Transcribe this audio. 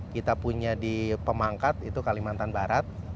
kita punya di pemangkat itu kalimantan barat